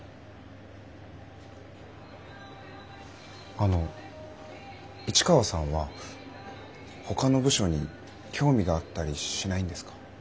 あの市川さんはほかの部署に興味があったりしないんですか？